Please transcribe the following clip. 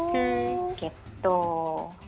menjadi salah satu ini ya